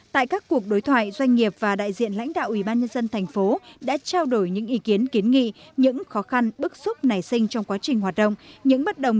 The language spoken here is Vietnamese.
tại các cuộc đối thoại doanh nghiệp và đại diện lãnh đạo ubnd tp đã trao đổi những ý kiến kiến nghị những khó khăn bức xúc nảy sinh trong quá trình hoạt động